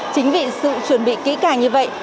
chính vì sự chuẩn bị kỹ cả như vậy